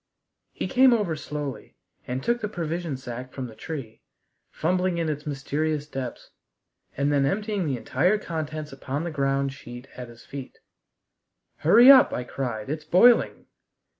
He came over slowly and took the provision sack from the tree, fumbling in its mysterious depths, and then emptying the entire contents upon the ground sheet at his feet. "Hurry up!" I cried; "it's boiling."